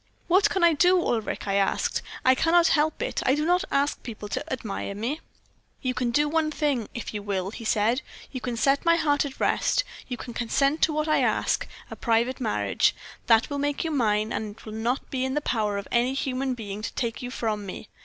"'What can I do, Ulric?' I asked. 'I cannot help it I do not ask people to admire me.' "'You can do one thing, if you will,' he said; 'you can set my heart at rest; you can consent to what I ask a private marriage; that will make you mine, and it will not be in the power of any human being to take you from me.